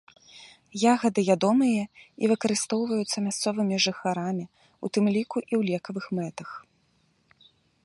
Ягады ядомыя і выкарыстоўваюцца мясцовымі жыхарамі, у тым ліку і ў лекавых мэтах.